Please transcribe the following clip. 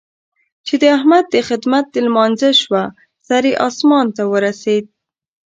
چې د احمد د خدمت لمانځه شوه؛ سر يې اسمان ته ورسېد.